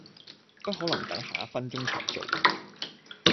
不可能等下一分鐘才做